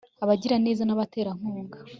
abagiraneza n'abaterankunga